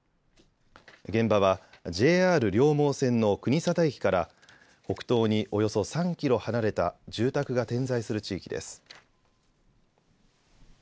現場はＪＲ両毛線の国定駅から北東におよそ３キロ離れた住宅が点在する地域です。